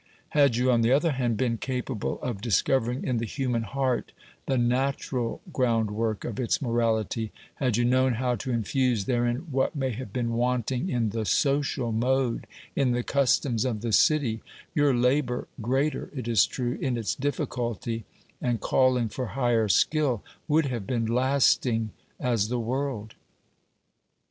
Had you, on the other hand, been capable of discovering in the human heart the natural groundwork of its morality — had you known how to infuse therein what may have been wanting in the social mode, in the customs of the city — your labour, greater, it is true, in its difficulty, and calUng for higher skill, would have been lasting as the world.